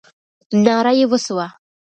ناره یې وسوه.